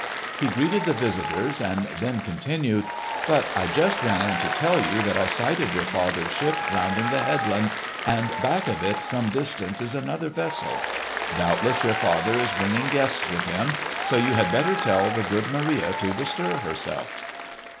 He greeted the visitors, and then continued: "But I just ran in to tell you that I sighted your father's ship rounding the headland, and back of it some distance is another vessel. Doubtless your father is bringing guests with him, so you had better tell the good Maria to bestir herself."